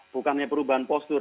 bukannya perubahan postur